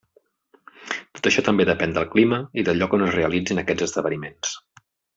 Tot això també depèn del clima i del lloc on es realitzin aquests esdeveniments.